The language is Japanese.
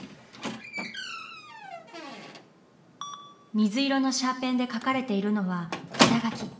水色のシャーペンで描かれているのは下描き。